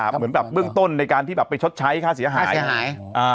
เหมือนแบบเบื้องต้นในการที่แบบไปชดใช้ค่าเสียหายเสียหาย